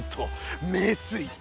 めいすいり。